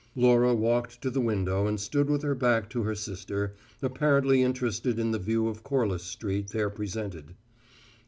Laura walked to the window and stood with her back to her sister, apparently interested in the view of Corliss Street there presented.